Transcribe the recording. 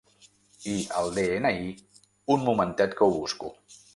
I el de-ena-i un momentet que ho busco.